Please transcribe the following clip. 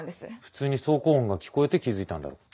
普通に走行音が聞こえて気付いたんだろう？